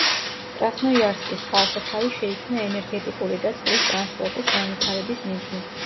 კრასნოიარსკის წყალსაცავი შეიქმნა ენერგეტიკული და წყლის ტრანსპორტის განვითარების მიზნით.